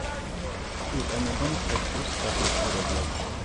იყენებენ ხე-ტყის დასაცურებლად.